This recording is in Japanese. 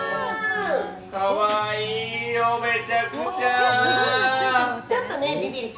可愛いよ、めちゃくちゃ。